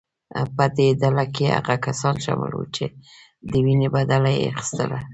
په دې ډله کې هغه کسان شامل وو چې د وینې بدله یې اخیسته.